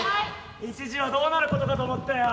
一時はどうなることかと思ったよ。